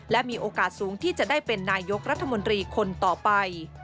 และมีโอกาสสูงที่จะได้เป็นนายกรัฐมนตรีคนต่อไป